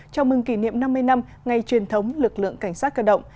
chào mừng kỷ niệm năm mươi năm ngày truyền thống lực lượng cảnh sát cơ động